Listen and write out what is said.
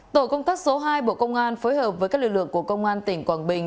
tổ công tác số hai bộ công an phối hợp với các lực lượng của công an tỉnh quảng bình